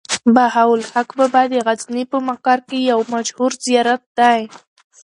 بهاوالحق بابا د غزني په مقر کې يو مشهور زيارت دی.